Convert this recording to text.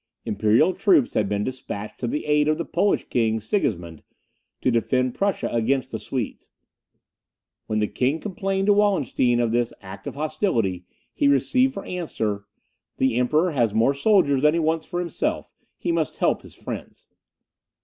Imperial troops had been despatched to the aid of the Polish king, Sigismund, to defend Prussia against the Swedes. When the king complained to Wallenstein of this act of hostility, he received for answer, "The Emperor has more soldiers than he wants for himself, he must help his friends."